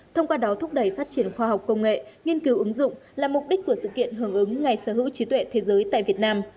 thông qua đó thúc đẩy phát triển khoa học công nghệ nghiên cứu ứng dụng là mục đích của sự kiện hưởng ứng ngày sở hữu trí tuệ thế giới tại việt nam